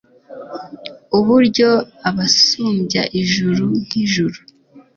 Uburyo abasumbya ijuru nk' ijuru